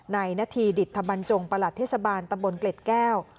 ในนาทีดิจทะบันจงประหลัดเทศบาลตำบลเกร็ดแกล้ว